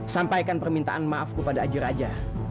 sampaikan permintaan maafku pada aji raja